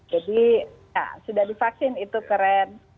jadi sudah divaksin itu keren